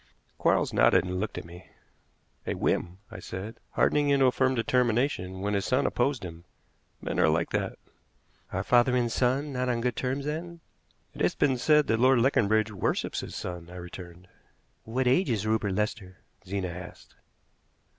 Quarles nodded and looked at me. "A whim," I said; "hardening into a firm determination when his son opposed him. Men are like that." "Are father and son not on good terms, then?" "It has been said that Lord Leconbridge worships his son," I returned. "What age is Rupert Lester?" Zena asked.